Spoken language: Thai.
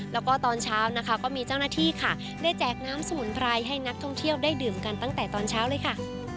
แล้วก็ตอนเช้านะคะก็มีเจ้าหน้าที่ค่ะได้แจกน้ำสมุนไพรให้นักท่องเที่ยวได้ดื่มกันตั้งแต่ตอนเช้าเลยค่ะ